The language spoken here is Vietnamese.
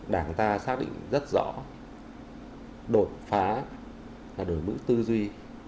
đảng ta xác định rất rõ đổi phá là đổi bữ tư duy